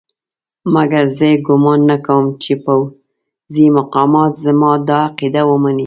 مګر زه ګومان نه کوم چې پوځي مقامات زما دا عقیده ومني.